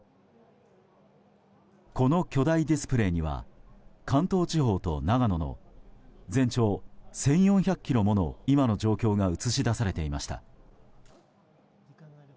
この巨大ディスプレーには関東地方と長野の全長１４００ｋｍもの今の状況が映し出されていました。